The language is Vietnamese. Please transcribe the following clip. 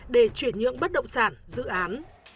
để chuyển nhượng bất động sản dự án